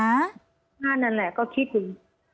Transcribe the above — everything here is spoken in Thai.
มาหน้านั่นแหละก็คิดดู